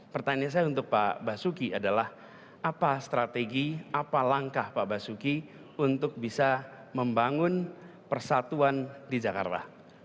pertanyaan saya untuk pak basuki adalah apa strategi apa langkah pak basuki untuk bisa membangun persatuan di jakarta